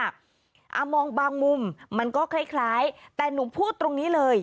มองบางมุมมันก็คล้ายแต่หนูพูดตรงนี้เลย